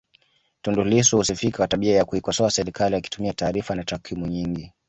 Tundu Lissu husifika kwa tabia ya kuikosoa serikali akitumia taarifa na takwimu nyingi